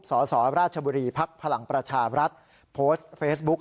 สรชบพลังประชาบรัฐโพสต์เฟซบุ๊ก